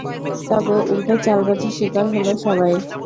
তবে উল্টো চালবাজির স্বীকার হলো সবাই।